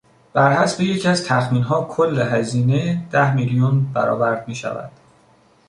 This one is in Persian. برحسب یکی از تخمینها کل هزینه ده میلیون برآورد میشود.